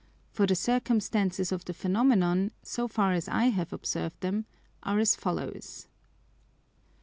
For the circumstances of the Phænomenon, so far as I have observed them, are as follows.